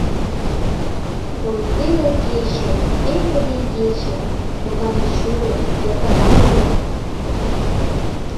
Ой, теле кече — пеҥгыде игече, Могане чулым, йытыра улат!